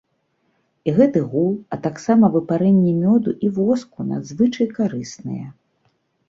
І гэты гул, а таксама выпарэнні мёду і воску надзвычай карысныя.